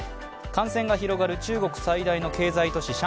感染が広がる中国最大の経済都市